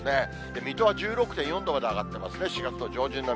水戸は１６．４度まで上がって４月の上旬並み。